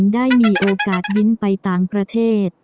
ได้มีโอกาสบินไปต่างประเทศ